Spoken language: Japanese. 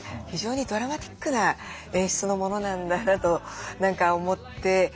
非常にドラマティックな演出のものなんだなと何か思って。